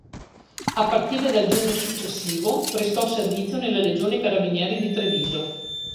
A partire dal giugno successivo prestò servizio nella Legione Carabinieri di Treviso.